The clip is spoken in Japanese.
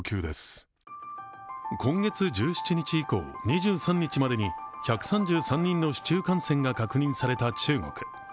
今月１７日以降、２３日までに１３３人の市中感染が確認された中国。